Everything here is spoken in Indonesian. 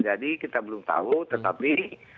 jadi kita belum tahu tetapi